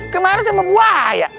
kemana sama buaya